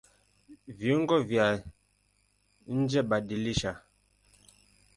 Viungo vya njeBadilisha